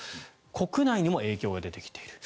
国内にも影響が出てきている。